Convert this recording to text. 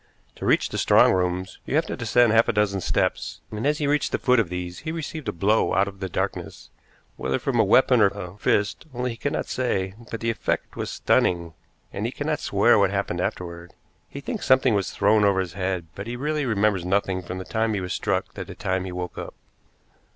To reach the strong rooms you have to descend half a dozen steps, and as he reached the foot of these he received a blow out of the darkness, whether from a weapon or a fist only he cannot say, but the effect was stunning, and he cannot swear what happened afterward. He thinks something was thrown over his head, but he really remembers nothing from the time he was struck to the time he woke up."